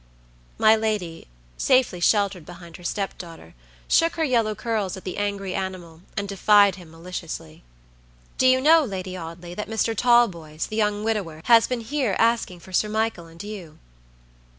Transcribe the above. My lady, safely sheltered behind her step daughter, shook her yellow curls at the angry animal, and defied him maliciously. "Do you know, Lady Audley, that Mr. Talboys, the young widower, has been here asking for Sir Michael and you?"